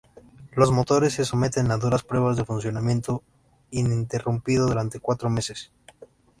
Los motores se someten a duras prueba de funcionamiento ininterrumpido durante cuatro meses.